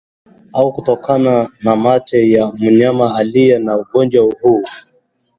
au kutokana na mate ya mnyama aliye na ugonjwa huu